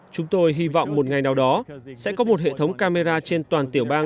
chúng tôi hy vọng một ngày nào đó sẽ có một hệ thống camera trên toàn tiểu bang